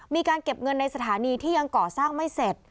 มีการเก็บเงินในสถานีที่ยังก่อสร้างไม่เสร็จ